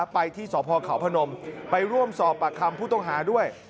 ไปที่สพเขาพนมไปร่วมสอบปากคำผู้ต้องหาด้วย